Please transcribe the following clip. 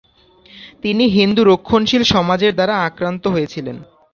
তিনি হিন্দু রক্ষণশীল সমাজের দ্বারা আক্রান্ত হয়েছিলেন।